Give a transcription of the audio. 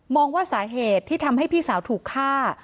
ว่าสาเหตุที่ทำให้พี่สาวถูกฆ่า